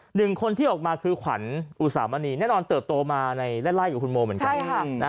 หนึ่งคนที่ออกมาคือขวัญอุสามณีแน่นอนเติบโตมาในไล่กับคุณโมเหมือนกัน